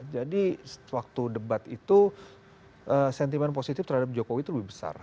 jadi waktu debat itu sentimen positif terhadap jokowi itu lebih besar